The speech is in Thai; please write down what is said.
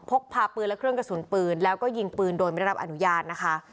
พกพาปืนและเครื่องกระสุนปืนแล้วก็ยิงปืนโดยไม่ได้รับอนุญาตนะคะ